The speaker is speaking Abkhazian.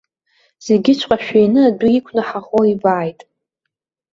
Зегьыҵәҟьа шәины адәы иқәны ҳаӷоу ибааит!